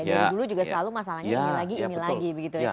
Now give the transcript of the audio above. dulu juga selalu masalahnya ini lagi ini lagi